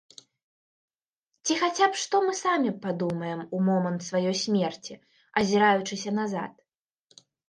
Ці хаця б што мы самі падумаем у момант сваёй смерці, азіраючыся назад?